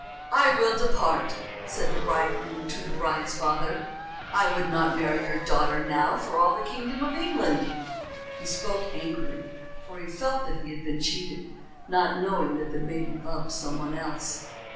"I will depart," said the bridegroom to the bride's father. "I would not marry your daughter now for all the kingdom of England." He spoke angrily, for he felt that he had been cheated, not knowing that the maiden loved some one else.